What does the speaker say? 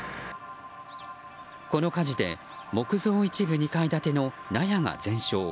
この火事で木造一部２階建ての納屋が全焼。